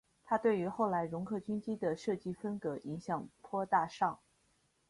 它对于后来容克军机的设计风格影响颇大上。